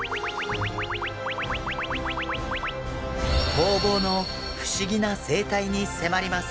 ホウボウの不思議な生態に迫ります！